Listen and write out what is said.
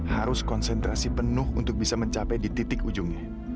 harus konsentrasi penuh untuk bisa mencapai di titik ujungnya